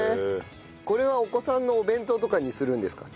これはお子さんのお弁当とかにするんですか？